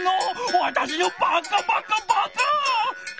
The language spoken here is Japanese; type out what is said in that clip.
わたしのバカバカバカ！